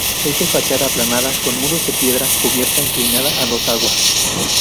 Es de fachada aplanada, con muros de piedra, cubierta inclinada, a dos aguas.